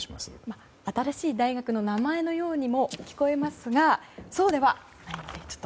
新しい大学の名前にも聞こえますがそうではありません。